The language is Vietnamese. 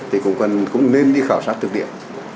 thì cũng cần cũng nên đi khảo sát thực địa